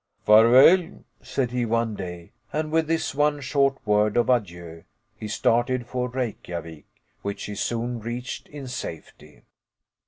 "Farval," said he, one day, and with this one short word of adieu, he started for Reykjavik, which he soon reached in safety.